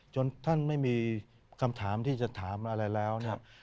จนท่านไม่มีคำถามที่จะถามอะไรแล้ว